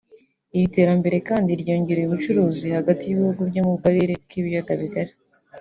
Iri terambere kandi ryongereye ubucuruzi hagati y’ibihugu byo mu karere k’ibiyaga bigari